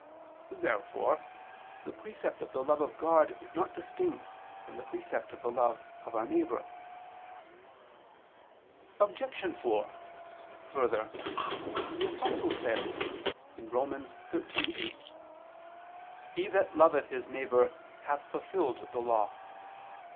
Therefore the precept of the love of God is not distinct from the precept of the love of our neighbor. Obj. 4: Further, the Apostle says (Rom. 13:8): "He that loveth his neighbor hath fulfilled the Law."